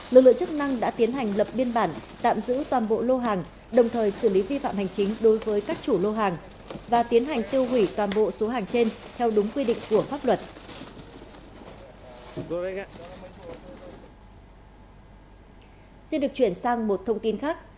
lực lượng chức năng đã tiến hành lập biên bản tạm giữ toàn bộ lô hàng đồng thời xử lý vi phạm hành chính đối với các chủ lô hàng và tiến hành tiêu hủy toàn bộ số hàng trên theo đúng quy định của pháp luật